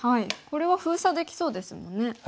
これは封鎖できそうですもんね。